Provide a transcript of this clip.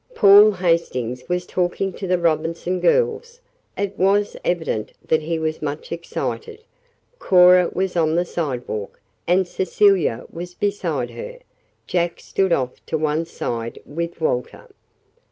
Paul Hastings was talking to the Robinson girls. It was evident that he was much excited. Cora was on the sidewalk, and Cecilia was beside her. Jack stood off to one side with Walter.